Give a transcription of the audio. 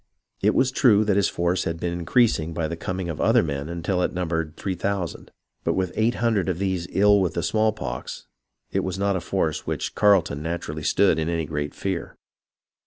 It was true that his force had been increased by the coming of other men until it numbered three thousand, but with eight hundred of these ill with the smallpox, it was not a force of which Carleton naturally stood in any great fear.